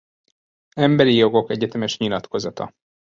Emberi jogok egyetemes nyilatkozata